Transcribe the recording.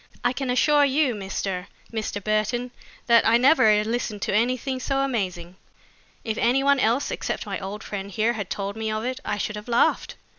I can assure you, Mr. Mr. Burton, that I never listened to anything so amazing. If any one else except my old friend here had told me of it, I should have laughed.